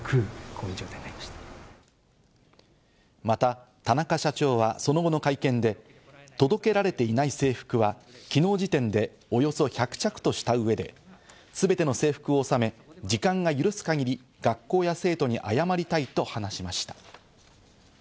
また田中社長はその後の会見で、届けられていない制服は昨日時点でおよそ１００着とした上で、すべての制服を納め、時間が許す限り、学校や生徒に謝りたいと話しました。